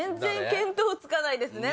見当つかないですね